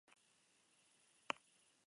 Es el sexto tomo de la saga Pendergast.